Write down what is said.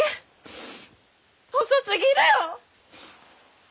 遅すぎるよ！